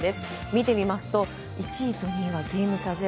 見てみますと１位と２位がゲーム差０。